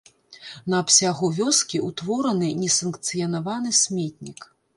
На абсягу вёскі ўтвораны несанкцыянаваны сметнік.